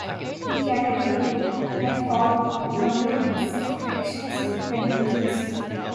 He carried her in; I followed, grumbling execrations and vengeance.